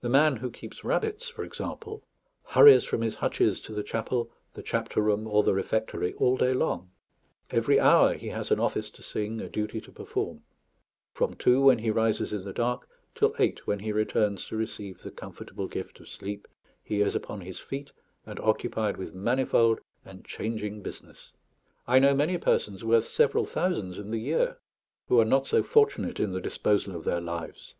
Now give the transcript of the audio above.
The man who keeps rabbits, for example, hurries from his hutches to the chapel, the chapter room, or the refectory, all day long: every hour he has an office to sing, a duty to perform; from two, when he rises in the dark, till eight, when he returns to receive the comfortable gift of sleep, he is upon his feet and occupied with manifold and changing business. I know many persons, worth several thousands in the year, who are not so fortunate in the disposal of their lives.